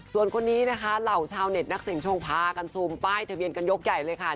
ส่วนคนนี้นะคะเหล่าชาวเน็ตนักเสียงชงพากันซูมป้ายทะเบียนกันยกใหญ่เลยค่ะ